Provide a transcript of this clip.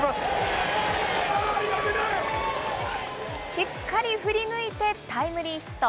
しっかり振り抜いてタイムリーヒット。